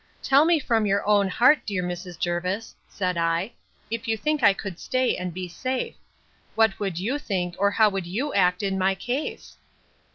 Tell me from your own heart, dear Mrs. Jervis, said I, if you think I could stay and be safe: What would you think, or how would you act in my case?